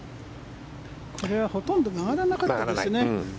これはほとんど曲がらなかったですね。